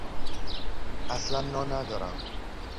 اصلا نا ندارم.